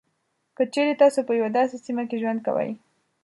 که چېري تاسو په یوه داسې سیمه کې ژوند کوئ.